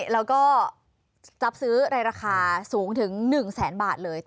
แล้วก็รับซื้อในราคาสูงถึง๑แสนบาทเลย